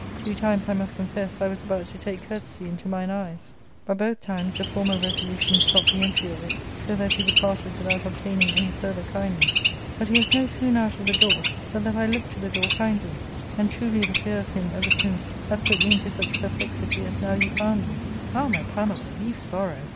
Two times, I must confess, I was about to take courtesy into mine eyes ; but both times the former resolution stopped the entry of it, so that he departed without obtaining any further kindness. But he was no sooner out of the door but that I looked to the door kindly ; and truly the fear of him ever since hath put me into such perplexity as now you found me." " Ah, my Pamela, leave sorrow.